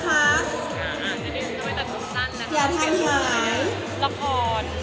ให้ชาวซูมป้าได้เก็บสุดท้ายแล้วก่อน